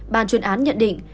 bàn chuyên án nhận định